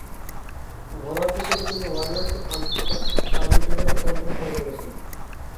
ঘরোয়া ক্রিকেটে তিনি ওয়ারিয়র্স ও কাউন্টি ক্রিকেটে কেন্টের হয়ে খেলছেন।